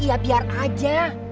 iya biar aja